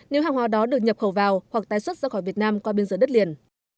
nếu hàng hóa đó được nhập khẩu vào hoặc tái xuất ra khỏi việt nam qua biên giới đất liền